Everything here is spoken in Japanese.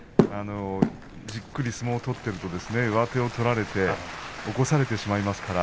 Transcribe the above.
じっくり攻めていくと上手を取られて起こされてしまいますから。